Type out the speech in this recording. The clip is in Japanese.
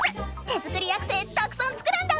手作りアクセたくさん作るんだぁ！